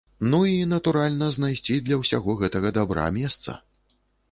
Ну і, натуральна, знайсці для ўсяго гэтага дабра месца.